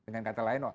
dengan kata lain wak